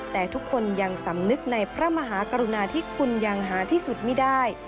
แต่ทุกคนยังสำนึกในพระมหากรุณาที่คุณยังหาที่สุดไม่ได้